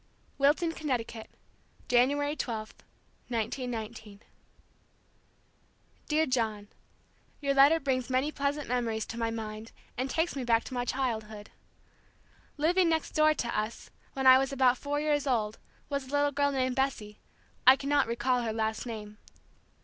Wilton, Connecticut, January 12, 1919. Dear John: Your letter brings many pleasant memories to my mind and takes me back to my childhood. Living next door to us, when I was about four years old, was a little girl named Bessie; I cannot recall her last name.